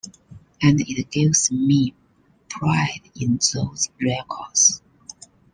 And it gives me pride in those records.